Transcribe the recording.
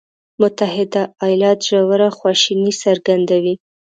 متحده ایالات ژوره خواشیني څرګندوي.